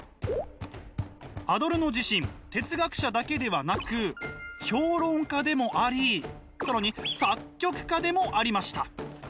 アドルノ自身哲学者だけではなく評論家でもあり更に作曲家でもありました。